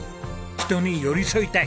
人に寄り添いたい。